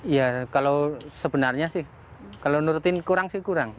ya kalau sebenarnya sih kalau nurutin kurang sih kurang